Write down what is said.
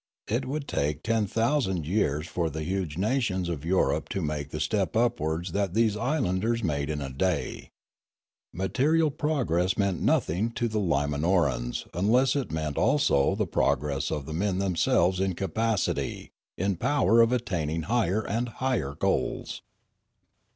It would take ten thousand years for the huge nations of Europe to make the step upwards that these islanders made in Fialume 75 a day. Material progress meant nothing to the Lima norans unless it meant also the progress of the men themselves in capacity, in power of attaining higher and higher goals.